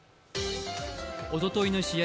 おとといの試合